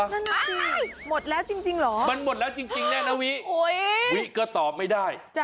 มันหมดแล้วจริงหรอมันหมดแล้วจริงแน่นะวิ